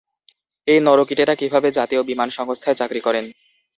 এই নরকীটেরা কীভাবে জাতীয় বিমান সংস্থায় চাকরি করেন?